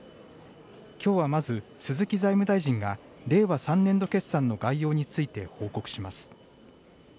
きょうはまず、鈴木財務大臣が、令和３年度決算の概要について報告します。